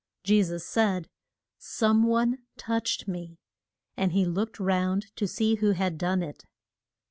Je sus said, Someone touched me, and he looked round to see who had done it.